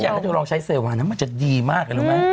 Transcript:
อยากจะรองใช้เซวามันจะดีมากแล้วรู้ไหม